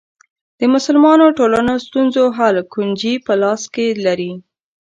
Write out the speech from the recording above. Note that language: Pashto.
د مسلمانو ټولنو ستونزو حل کونجي په لاس کې لري.